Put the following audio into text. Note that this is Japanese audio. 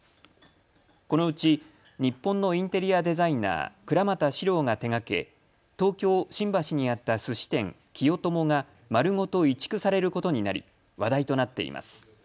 このうち日本のインテリアデザイナー、倉俣史朗が手がけ、東京新橋にあったすし店、きよ友が丸ごと移築されることになり話題となっています。